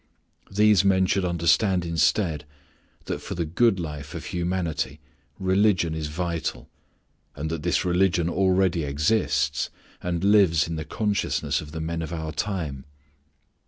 These men should understand instead that for the good life of humanity religion is vital, and that this religion already exists and lives in the consciousness of the men of our time.